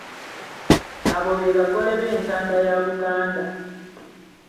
Abo be bagole b'entanda ya Buganda.